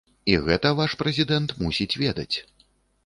І гэта ваш прэзідэнт мусіць ведаць.